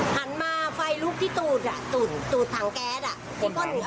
หันมาไฟลุกที่ตูดตูดถังแก๊ส